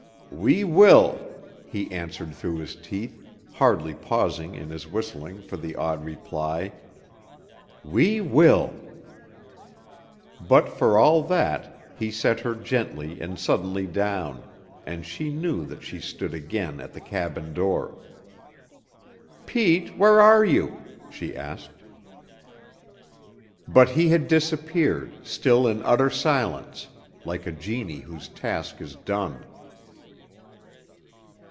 "We will," he answered through his teeth, hardly pausing in his whistling for the odd reply. "We will." But for all that, he set her gently and suddenly down, and she knew that she stood again at the cabin door. "Pete, where are you?" she asked. But he had disappeared, still in utter silence, like a genie whose task is done.